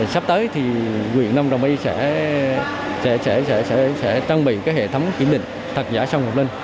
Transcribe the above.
sắp tới thì nguyễn nông đồng ý sẽ trang bị cái hệ thống kiểm định thật giả sâm ngọc linh